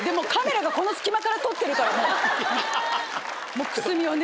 もうくすみをね。